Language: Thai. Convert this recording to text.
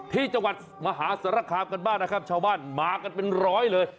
ที่จังหวัดมหาสารคามกันบ้างนะครับชาวบ้านมากันเป็นร้อยเลย